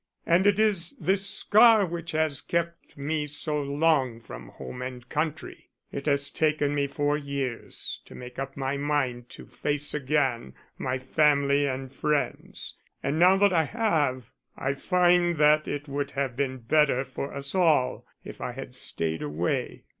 And it is this scar which has kept me so long from home and country. It has taken me four years to make up my mind to face again my family and friends. And now that I have, I find that it would have been better for us all if I had stayed away.